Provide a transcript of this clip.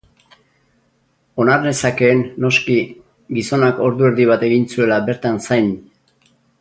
Onar nezakeen, noski, gizonak ordu erdi bat egin zuela bertan zain.